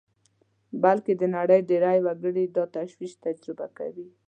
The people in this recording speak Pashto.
بلکې د نړۍ ډېری وګړي دا تشویش تجربه کوي